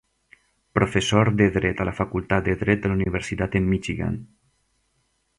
Professor de Dret a la Facultat de Dret de la Universitat de Michigan.